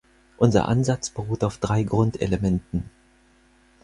Unser Ansatz beruht auf drei Grundelementen.